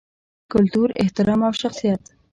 کلتور، احترام او شخصیت